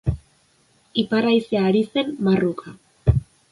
Ipar haizea ari zen marruka.